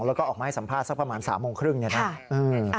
แล้วก็ออกมาให้สัมภาษณ์สักประมาณ๓โมงครึ่งเนี่ยนะ